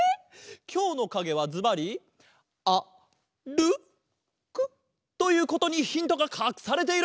きょうのかげはずばり「あるく」ということにヒントがかくされている！